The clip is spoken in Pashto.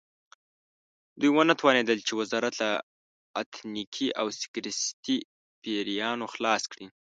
دوی ونه توانېدل چې وزارت له اتنیکي او سکتریستي پیریانو خلاص کړي.